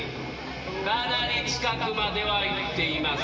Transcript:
かなり近くまでは行っています。